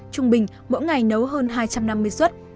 trung bình mỗi ngày nấu hơn hai trăm năm mươi suất